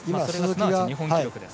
日本記録です。